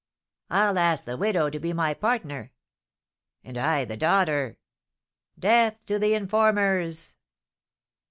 "I'll ask the widow to be my partner." "And I the daughter." "Death to the informers!"